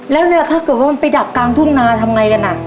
แล้วเนี่ยถ้าเกิดว่ามันไปดับกลางทุ่งนาทำไงกันอ่ะ